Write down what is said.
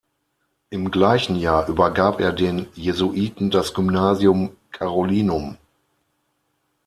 Im gleichen Jahr übergab er den Jesuiten das Gymnasium Carolinum.